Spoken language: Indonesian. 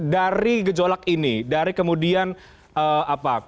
dari gejolak ini dari kemudian apa